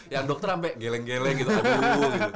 yang dokter sampe geleng geleng gitu